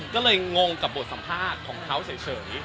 ก็เลยงงกับบทสัมภาษณ์ของเขาเฉย